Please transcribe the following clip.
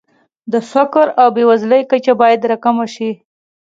د فقر او بېوزلۍ کچه باید راکمه شي.